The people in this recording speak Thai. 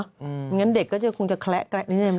อย่างนั้นเด็กก็คงจะแคละนิดนึง